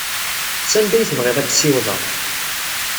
Sanda ay tebɣid ad k-ssiwḍeɣ.